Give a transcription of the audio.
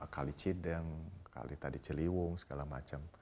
kali cideng kali tadi ciliwung segala macam